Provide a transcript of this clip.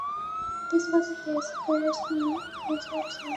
This was his first knee reconstruction.